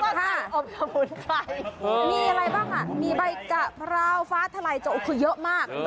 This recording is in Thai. มีอะไรบ้างมีใบกะพราวฟ้าไทรโจคือเยอะมาก